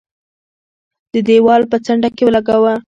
د دېوال په څنډه کې ولګاوه.